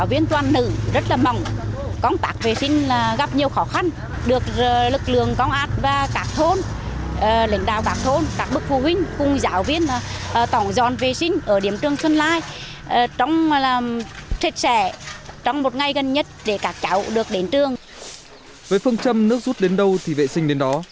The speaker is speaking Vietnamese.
với phương châm nước rút đến đâu thì vệ sinh đến đó